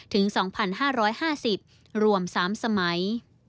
ถึง๒๕๕๐รวม๓สมัย